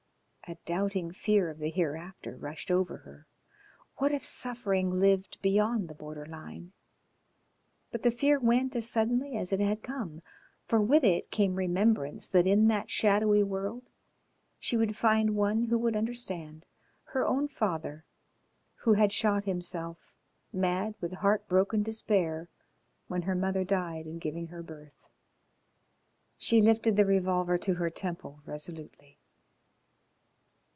A doubting fear of the hereafter rushed over her. What if suffering lived beyond the border line? But the fear went as suddenly as it had come, for with it came remembrance that in that shadowy world she would find one who would understand her own father, who had shot himself, mad with heartbroken despair, when her mother died in giving her birth. She lifted the revolver to her temple resolutely.